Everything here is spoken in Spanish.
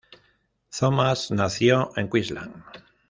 Thomas nació en Queensland.